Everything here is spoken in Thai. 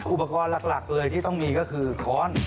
อุปกรณ์หลักเลยที่ต้องมีก็คือค้อน